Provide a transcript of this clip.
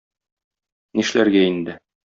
Нишләргә инде?